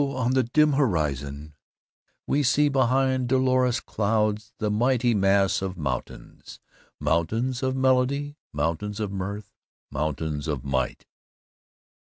on the dim horizon we see behind dolorous clouds the mighty mass of mountains mountains of melody, mountains of mirth, mountains of might!"